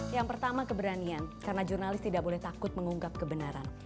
yang pertama keberanian karena jurnalis tidak boleh takut mengungkap kebenaran